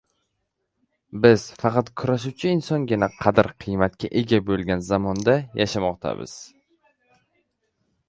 Biz, faqat kurashuvchi insongina qadr-qimmatga ega bo‘lgan zamonda yashamoqdamiz.